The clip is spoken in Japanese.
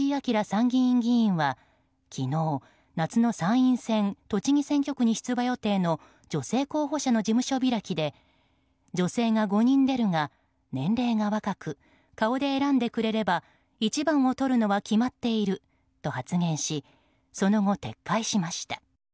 参議院議員は昨日、夏の参院選栃木選挙区に出馬予定の女性候補者の事務所開きで女性が５人出るが、年齢が若く顔で選んでくれれば１番をとるのは決まっていると発言しその後、撤回しました。